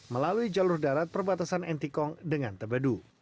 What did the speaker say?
melalui jalur darat perbatasan ntkong dengan tebedu